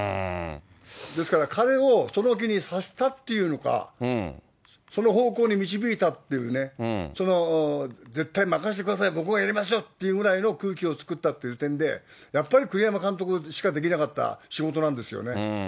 ですから、彼をその気にさせたというか、その方向に導いたっていうね、絶対任せてください、僕がやりますよっていうぐらいの空気を作ったっていう点で、やっぱり栗山監督しかできなかった仕事なんですよね。